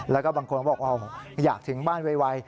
แล้วก็บางคนก็บอกอยากถึงบ้านไว